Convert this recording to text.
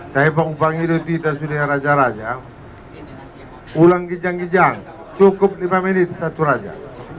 tapi upang hidup kita sudah raja raja ulang gijang gijang cukup lima menit satu raja